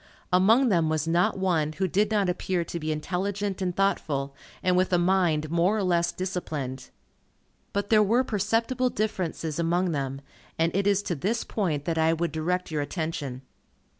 Among them was not one, who did not appear to be intelligent and thoughtful, and with a mind more or less disciplined. But there were perceptible differences among them, and it is to this point that I would direct your attention.